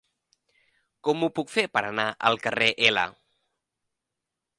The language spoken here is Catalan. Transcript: Com ho puc fer per anar al carrer L?